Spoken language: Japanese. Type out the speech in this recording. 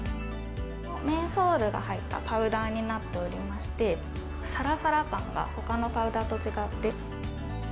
メンソールが入ったパウダーになっておりまして、さらさら感が、ほかのパウダーと違って。